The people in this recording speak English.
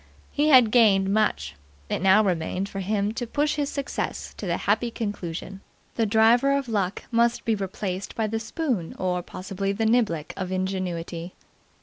He had gained much; it now remained for him to push his success to the happy conclusion. The driver of Luck must be replaced by the spoon or, possibly, the niblick of Ingenuity.